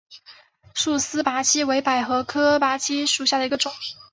束丝菝葜为百合科菝葜属下的一个种。